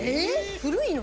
古いの？